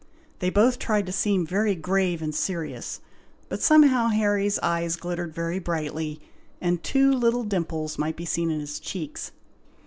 They both tried to seem very grave and serious, but somehow Harry's eyes glittered very brightly, and two little dimples might be seen in his cheeks.